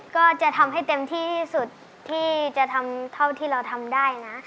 ก็จะทำให้เต็มที่สุดที่จะทำเท่าที่เราทำได้นะ